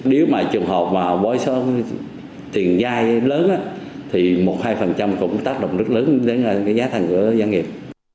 nếu mà trường hợp bối xóa tiền dai lớn thì một hai cũng tác động rất lớn đến giá thăng của doanh nghiệp